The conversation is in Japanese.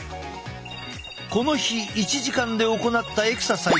この日１時間で行ったエクササイズは８種類。